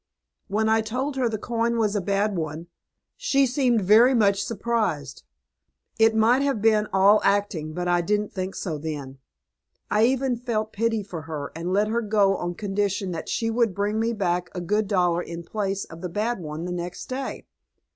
When I told her the coin was a bad one, she seemed very much surprised. It might have been all acting, but I didn't think so then. I even felt pity for her and let her go on condition that she would bring me back a good dollar in place of the bad one the next day.